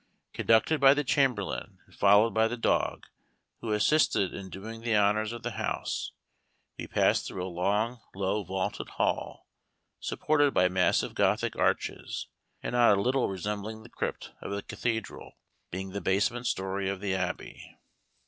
Conducted by the chamberlain, and followed by the dog, who assisted in doing the honors of the house, we passed through a long low vaulted hall, supported by massive Gothic arches, and not a little resembling the crypt of a cathedral, being the basement story of the Abbey.